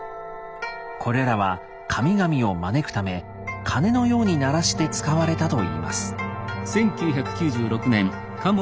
これらは神々を招くため鐘のように鳴らして使われたといいます。